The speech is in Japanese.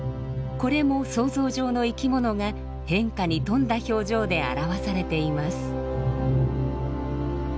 これも想像上の生き物が変化に富んだ表情で表されています。